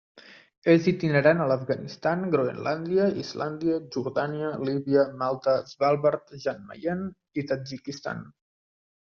És itinerant a l'Afganistan, Groenlàndia, Islàndia, Jordània, Líbia, Malta, Svalbard, Jan Mayen i Tadjikistan.